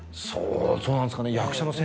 そうなんですかね？